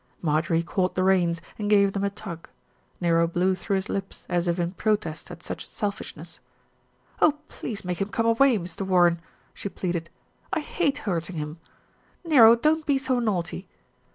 Marjorie caught the reins and gave them a tug; Nero blew through his lips as if in protest at such selfishness. "Oh ! please make him come away, Mr. Warren," she pleaded. "I hate hurting him. Nero, don't be so naughty."